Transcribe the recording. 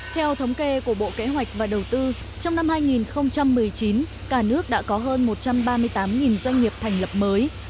theo thống kê của bộ kế hoạch và đầu tư trong năm hai nghìn một mươi chín cả nước đã có hơn một trăm ba mươi tám doanh nghiệp thành lập mới